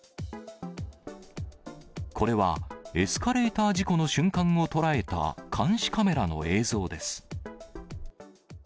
これはエスカレーター事故の瞬間を捉えた監視カメラの映像です。